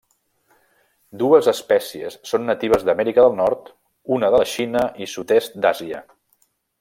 Dues espècies són natives d'Amèrica del Nord, una de la Xina i Sud-est d'Àsia.